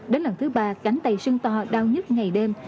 đến lần thứ ba cánh tay sưng to đau nhất ngày đêm